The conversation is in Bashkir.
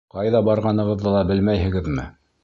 — Ҡайҙа барғанығыҙҙы ла белмәйһегеҙме?